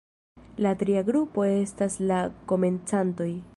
La tria grupo estas la komencantoj.